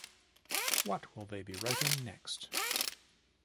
What will they be writing next?